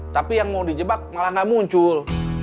tapi yang mau dijebak malah nggak muncul